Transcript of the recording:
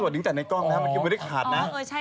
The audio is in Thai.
ผมสวัสดีจากในกล้องนะครับเหมือนกับว่าไม่ได้ขาดนะครับอ๋อใช่